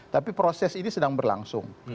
tapi proses ini sedang berlangsung